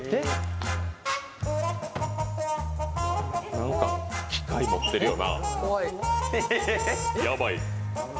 何か機械持ってるよな？